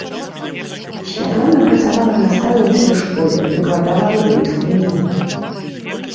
Святлана працавала настаўніцай у школе, выкладала англійскую мову.